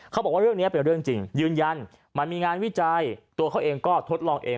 เขาบอกว่าเรื่องนี้เป็นเรื่องจริงยืนยันมันมีงานวิจัยตัวเขาเองก็ทดลองเอง